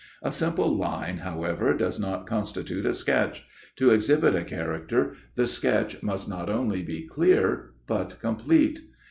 A simple line, however, does not constitute a sketch; to exhibit a character, the sketch must not only be clear but complete.